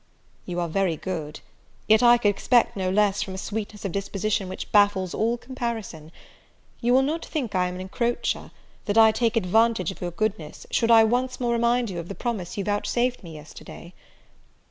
"You are very good; yet I could expect no less from a sweetness of disposition which baffles all comparison: you will not think I am an encroacher, and that I take advantage of your goodness, should I once more remind you of the promise you vouchsafed me yesterday?"